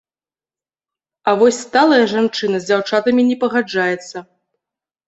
А вось сталая жанчына з дзяўчатамі не пагаджаецца.